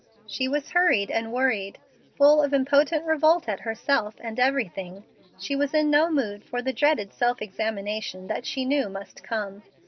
She was hurried and worried, full of impotent revolt at herself and everything. She was in no mood for the dreaded self examination that she knew must come.